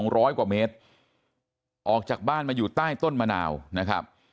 ร้อยกว่าเมตรออกจากบ้านมาอยู่ใต้ต้นมะนาวนะครับ